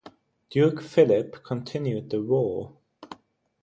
Duke Philip continued the war.